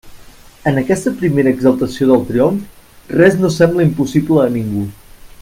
En aquesta primera exaltació del triomf, res no sembla impossible a ningú.